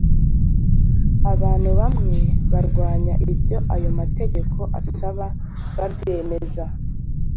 abantu bamwe barwanya ibyo ayo mategeko asaba babyemeza.